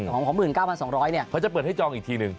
ของ๑๙๒๐๐เนี่ยเขาจะเปิดให้จองอีกทีหนึ่ง